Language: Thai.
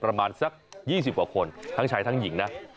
ประมาณสัก๒๐กว่าคนทั้งชายทั้งหญิงนะ